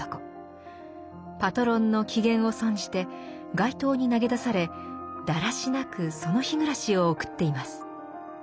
パトロンの機嫌を損じて街頭に投げ出されだらしなくその日暮らしを送っています。